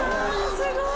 すごーい